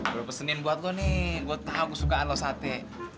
gue pesenin buat lo nih gue tahu kesukaan lo sate